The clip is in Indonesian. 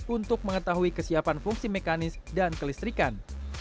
untuk mengetahui kesiapan fungsi mekanis dan kelistrikan